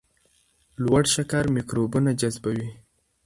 لوړ شکر میکروبونه جذبوي.